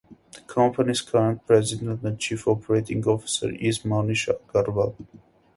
The company’s current president and chief operating officer is Manish Agarwal.